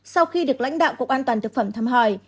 sau khi được lãnh đạo cục an toàn thực phẩm thăm hỏi